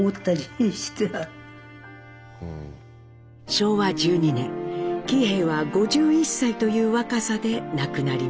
昭和１２年喜兵衛は５１歳という若さで亡くなります。